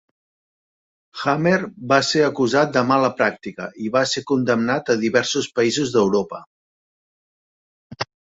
Hamer va ser acusat de mala pràctica i va ser condemnat a diversos països d'Europa.